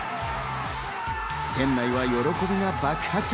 店内は喜びが爆発。